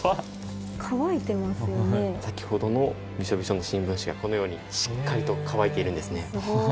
先ほどのビショビショの新聞紙がこのようにしっかりと乾いているんですね。